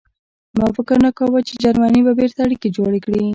ما فکر نه کاوه چې جرمني به بېرته اړیکې جوړې کړي